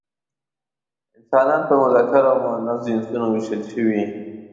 انسانان په مذکر او مؤنث جنسونو ویشل شوي.